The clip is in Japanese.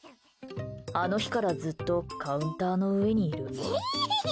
あの日からずっとカウンターの上にいる。